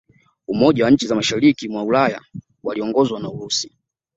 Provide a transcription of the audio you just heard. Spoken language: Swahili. Umoja wa nchi za mashariki mwa Ulaya waliongozwa na Urusi